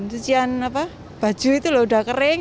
cucian baju itu loh udah kering